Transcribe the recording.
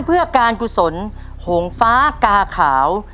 เพื่อการกุศลโหงฟ้ากาขาว